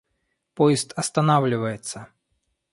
Поезд останавливается.